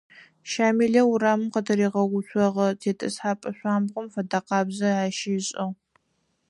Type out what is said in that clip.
Щамилэ урамым къытыригъэуцогъэ тетӀысхьапӀэ шъуамбгъом фэдэкъабзэ ащи ышӀыгъ.